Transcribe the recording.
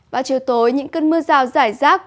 vào chiều tối những cơn mưa rào rải rác